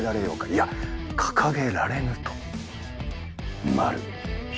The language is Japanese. いや掲げられぬとまる。